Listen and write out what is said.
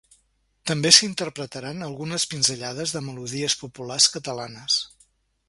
També s’interpretaran algunes pinzellades de melodies populars catalanes.